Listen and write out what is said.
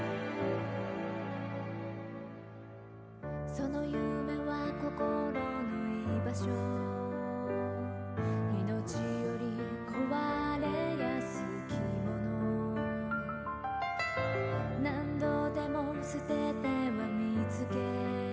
「その夢はこころの居場所」「生命より壊れやすきもの」「何度でも捨てては見つけ」